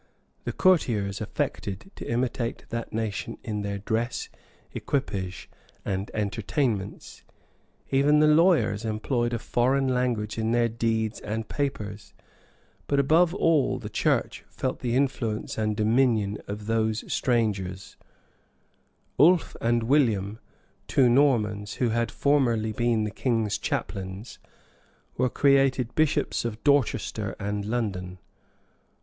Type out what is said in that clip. The courtiers affected to imitate that nation in their dress, equipage, and entertainments; even the lawyers employed a foreign language in their deeds and papers;[] but above all, the church felt the influence and dominion of those strangers: Ulf and William, two Normans, who had formerly been the king's chaplains, were created bishops of Dorchester and London.